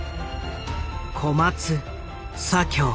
小松左京。